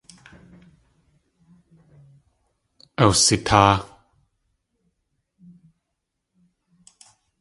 Awsitáa.